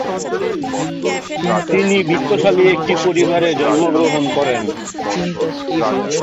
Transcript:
তিনি বিত্তশালী একটি পরিবারে জন্মগ্রহণ করেন।